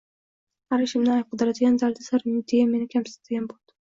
Har ishimdan ayb qidiradigan, dardisar deya meni kamsitadigan bo`ldi